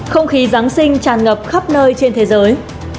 không khí giáng sinh tràn ngập khắp nơi trên thế giới